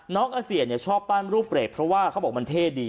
อาเซียนชอบปั้นรูปเปรตเพราะว่าเขาบอกมันเท่ดี